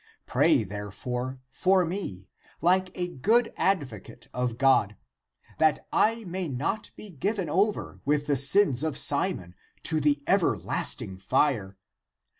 Pray, therefore, for me, like a good ad vocate of God, that I may not be given over with the sins of Simon to the everlasting fire.